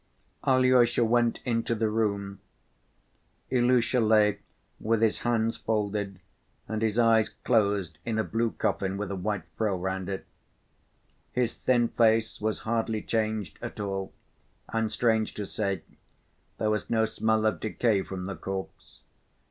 Alyosha went into the room. Ilusha lay with his hands folded and his eyes closed in a blue coffin with a white frill round it. His thin face was hardly changed at all, and strange to say there was no smell of decay from the corpse.